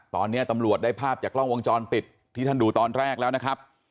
ตอนนี้ตำรวจได้ภาพจากกล้องวงจรปิดที่ท่านดูตอนแรกแล้วนะครับ